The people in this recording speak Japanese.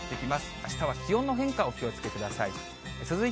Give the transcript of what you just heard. あしたは気温の変化、お気をつけください。